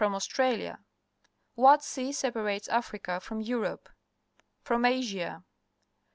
From Australia? What sea separates Africa from Europe? From Asia?